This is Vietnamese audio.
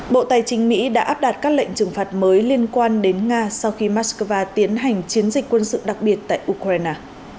bộ tài chính mỹ đã áp đặt các lệnh trừng phạt mới liên quan đến nga sau khi moscow tiến hành chiến dịch quân sự đặc biệt tại ukraine